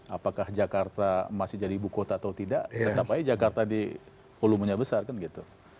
apakah jakarta masih jadi ibu kota atau tidak tetap aja jakarta di volumenya besar kan gitu